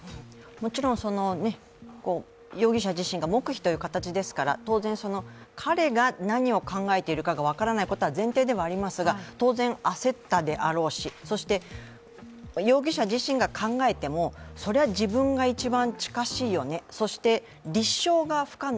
もちろん容疑者自身が黙秘という形ですから、当然、彼が何を考えているかが分からないことが前提ではありますが当然、焦ったであろうし、そして容疑者自身が考えてもそれは自分が一番近しいよね、そして立証が不可能。